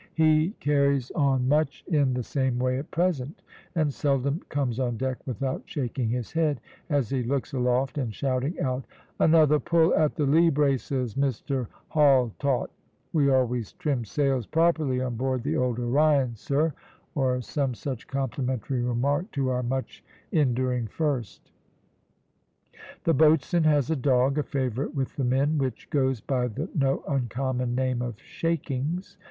He carries on much in the same way at present, and seldom comes on deck without shaking his head as he looks aloft, and shouting out `Another pull at the lee braces, Mr Haultaut; we always trimmed sails properly on board the old Orion, sir,' or some such complimentary remark to our much enduring first. The boatswain has a dog a favourite with the men which goes by the no uncommon name of Shakings.